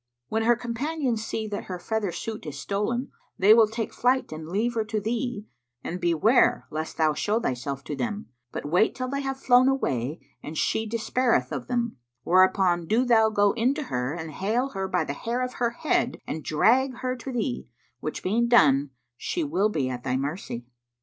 When her companions see that her feather suit is stolen, they will take flight and leave her to thee, and beware lest thou show thyself to them, but wait till they have flown away and she despaireth of them: whereupon do thou go in to her and hale her by the hair of her head[FN#68] and drag her to thee; which being done, she will be at thy mercy.